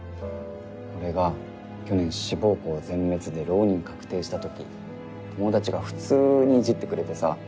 俺が去年志望校全滅で浪人確定した時友達が普通にイジってくれてさ。